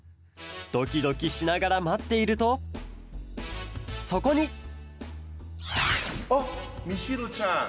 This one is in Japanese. ドキドキしながらまっているとそこにあっみちるちゃんこんにちは！